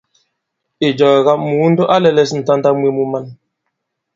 Ìjɔ̀ɔ̀wa, Mùundo a lɛ̄lɛ̄s ǹtanda mwe mu man.